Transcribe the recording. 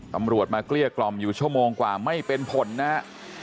ตำรวจมาเกลี้ยกล่อมอยู่ชั่วโมงกว่าไม่เป็นผลนะฮะ